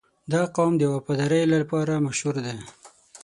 • دا قوم د وفادارۍ لپاره مشهور دی.